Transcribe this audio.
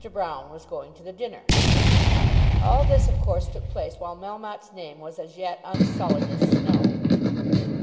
Broune was going to the dinner. All this of course took place while Melmotte's name was as yet unsullied as snow.